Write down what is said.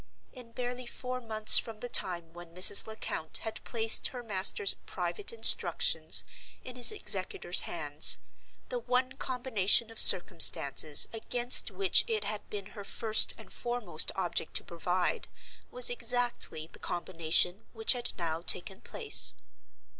In barely four months from the time when Mrs. Lecount had placed her master's private Instructions in his Executor's hands, the one combination of circumstances against which it had been her first and foremost object to provide was exactly the combination which had now taken place.